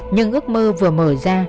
nhưng ước mơ vừa mở ra